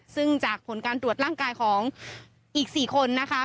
ซึ่งจากผลการตรวจร่างกายของอีก๔คนนะคะ